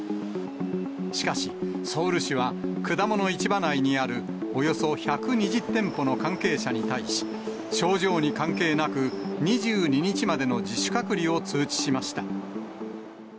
しかし、ソウル市は果物市場内にあるおよそ１２０店舗の関係者に対し、症状に関係なく、２２日までの自主隔離を通知しました。